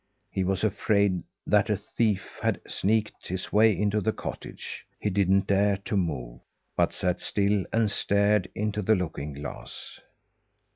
He was afraid that a thief had sneaked his way into the cottage. He didn't dare to move; but sat still and stared into the looking glass.